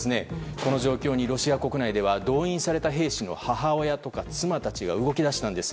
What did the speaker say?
この状況にロシア国内では動員された兵士の母親、妻たちが動き出したんです。